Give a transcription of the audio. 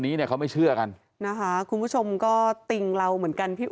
นี้เนี่ยเขาไม่เชื่อกันนะคะคุณผู้ชมก็ติ่งเราเหมือนกันพี่